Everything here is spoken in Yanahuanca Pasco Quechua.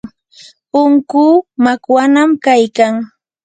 punkuu makwanam kaykan.